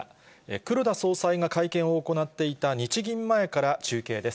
黒田総裁が会見を行っていた日銀前から中継です。